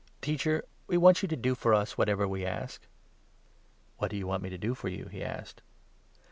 " Teacher, we want you to do for us what ever we ask." "What do you want me to do for you ?" he asked.